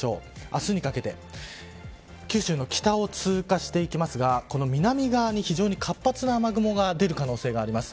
明日にかけて九州の北を通過していきますが南側に活発な雨雲が出る可能性があります。